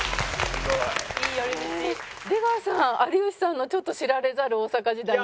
出川さん有吉さんのちょっと知られざる大阪時代の話。